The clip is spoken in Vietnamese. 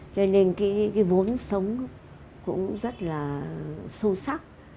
cho nên cái vốn sống cũng rất là sâu sắc